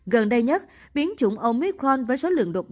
gần đây nhất biến chủng omicron với số lượng đột ngột